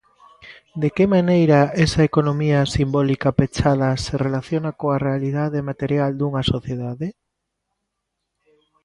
De que maneira esa economía simbólica pechada se relaciona coa realidade material dunha sociedade?